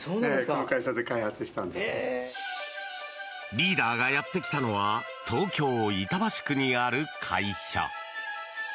リーダーがやってきたのは東京・板橋区にある会社。